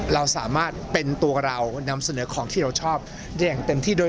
เราสามารถเป็นตัวเรานำเสนอของที่เราชอบได้อย่างเต็มที่ด้วย